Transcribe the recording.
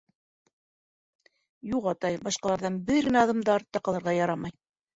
— Юҡ, атай, башҡаларҙан бер генә аҙым да артта ҡалырға ярамай.